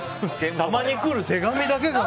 たまに来る手紙だけが。